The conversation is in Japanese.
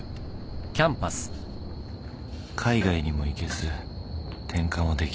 ［海外にも行けず転科もできない。